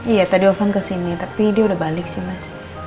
iya tadi oven kesini tapi dia udah balik sih mas